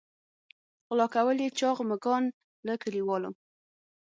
غلا کول یې چاغ مږان له کلیوالو.